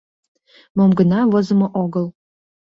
Мом гына возымо огыл!